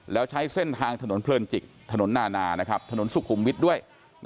แล้วใช้เส้นทางถนนเพลินจิกถนนนานาถนนสุขุมวิทย์ด้วย